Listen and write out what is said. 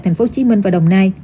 tp hcm và đồng nai